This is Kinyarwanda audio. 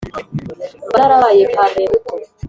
Mba narabaye Parmehutu